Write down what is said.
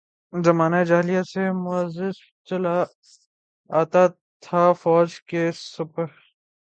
زمانہ جاہلیت سے معزز چلا آتا تھا، فوج کی سپہ